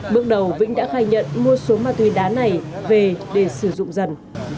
bước đầu vĩnh đã khai nhận mua số ma túy đá này về để sử dụng dần